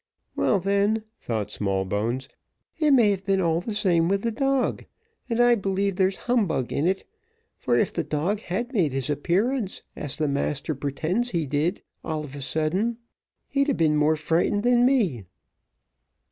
"Well, then," thought Smallbones, "it may have been all the same with the dog, and I believe there's humbug in it, for if the dog had made his appearance, as master pretends he did, all of a sudden, he'd a been more frightened than me."